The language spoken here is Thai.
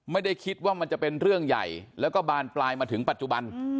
ไม่ได้คิดว่ามันจะเป็นเรื่องใหญ่แล้วก็บานปลายมาถึงปัจจุบัน